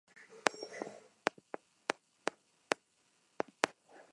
Al separarlos, la vida disipada del soltero influye sobre el casado.